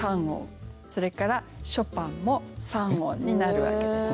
それから「ショパン」も三音になるわけですね。